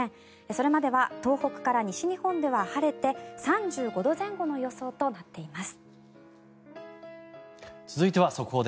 それまでは東北から西日本までは晴れて３５度前後の予想となっています。